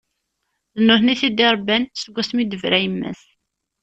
D nutni i t-id-irebban seg wasmi i d-tebra yemma-s.